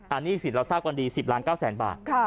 อันนี้สินเราทราบกันดี๑๐ล้าน๙แสนบาท